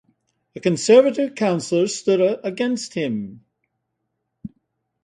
A Conservative councillor stood against him.